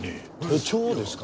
手帳をですか？